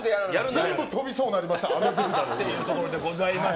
全部飛びそうになりました、というところでございます。